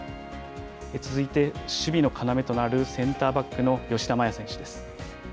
続いて守備の要となる、センターバックの吉田麻也選手です。